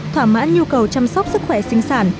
thỏa mãn nhu cầu chăm sóc sức khỏe sinh sản